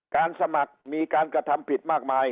สมัครมีการกระทำผิดมากมาย